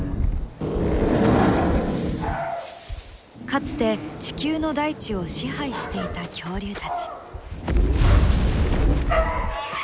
かつて地球の大地を支配していた恐竜たち。